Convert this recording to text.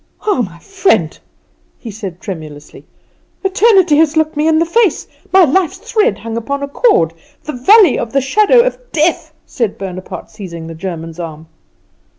"Ah, my friend," he said tremulously, "eternity has looked me in the face! My life's thread hung upon a cord! The valley of the shadow of death!" said Bonaparte, seizing the German's arm.